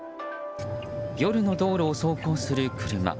夜の道路を走行する車。